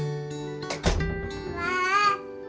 わあ。